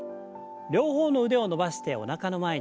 両方の腕を伸ばしておなかの前に。